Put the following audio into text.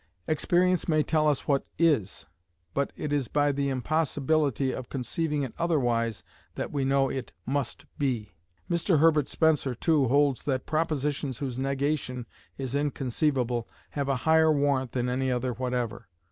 Experience may tell us what is; but it is by the impossibility of conceiving it otherwise that we know it must be. Mr. Herbert Spencer, too, holds that propositions whose negation is inconceivable have "a higher warrant than any other whatever."